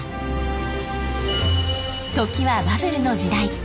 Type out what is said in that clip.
時はバブルの時代。